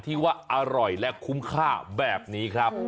ที่ว่าอร่อยและคุ้มค่าแบบนี้ครับ